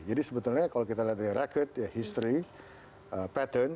jadi sebetulnya kalau kita lihat dari record history pattern